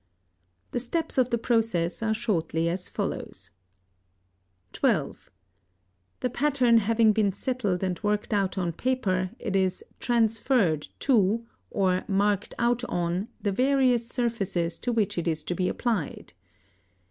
The steps of the process are shortly as follows: (12) The pattern having been settled and worked out on paper, it is "transferred" to, or marked out on, the various surfaces to which it is to be applied.